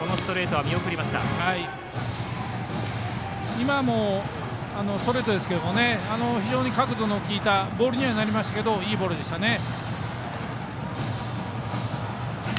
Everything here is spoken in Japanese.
今も、ストレートですけど非常に角度のきいたボールにはなりましたけどいいボールでしたね。